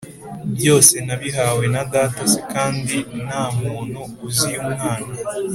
byose nabihawe na Data c kandi nta muntu uzi Umwana